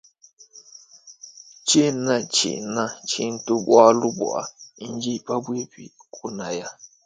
Tshena tshina tshintu bualu bua ndi pabuipi kunaya.